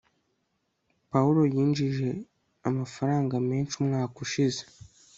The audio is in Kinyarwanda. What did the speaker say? pawulo yinjije amafaranga menshi umwaka ushize